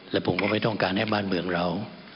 และผมก็ไม่ต้องการให้บ้านเมืองเรา